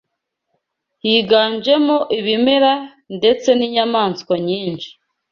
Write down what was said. Higanjemo ibimera ndetse n’inyamasw nyinshi